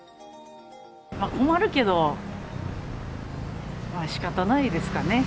困るけど、しかたないですかね。